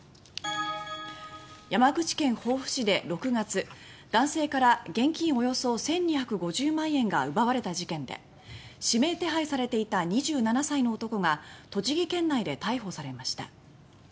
山口県防府市で６月男性から現金およそ１２５０万円が奪われた事件で指名手配されていた２７歳の男が栃木県内で逮捕されました。